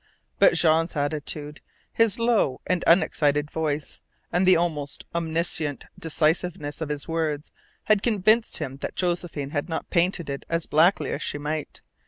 But Jean's attitude, his low and unexcited voice, and the almost omniscient decisiveness of his words had convinced him that Josephine had not painted it as blackly as she might.